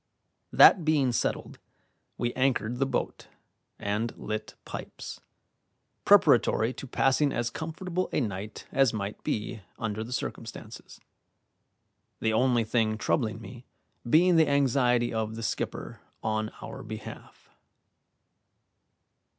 That being settled, we anchored the boat, and lit pipes, preparatory to passing as comfortable a night as might be under the circumstances, the only thing troubling me being the anxiety of the skipper on our behalf.